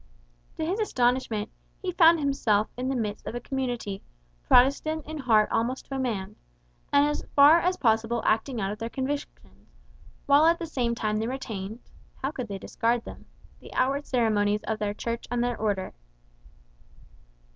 To his astonishment, he found himself in the midst of a community, Protestant in heart almost to a man, and as far as possible acting out their convictions; while at the same time they retained (how could they discard them?) the outward ceremonies of their Church and their Order.